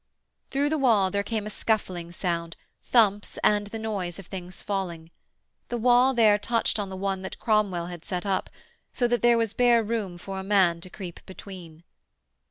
Through the wall there came a scuffling sound, thumps, and the noise of things falling. The wall there touched on the one that Cromwell had set up, so that there was bare room for a man to creep between.